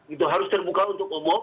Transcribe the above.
itu harus terbuka untuk umum